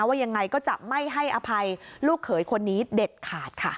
ว่ายังไงก็จะไม่ให้อภัยลูกเขยคนนี้เด็ดขาดค่ะ